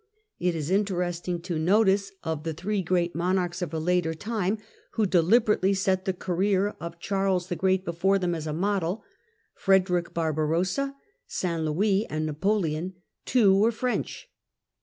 It is interesting to notice that 202 THE DAWN OF MEDIEVAL EUROPE of the three great monarchs of a later time who deliber ately set the career of Charles the Great before them as a model — Frederick Barbarossa, St. Louis and Napoleon — two were French.